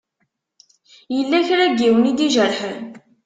Yella kra n yiwen i d-ijerḥen?